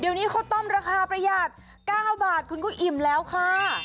เดี๋ยวนี้ข้าวต้มราคาประหยัด๙บาทคุณก็อิ่มแล้วค่ะ